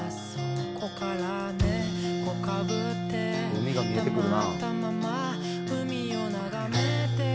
「海が見えてくるなあ」